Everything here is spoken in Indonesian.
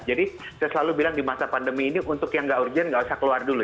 jadi saya selalu bilang di masa pandemi ini untuk yang nggak urgent nggak usah keluar dulu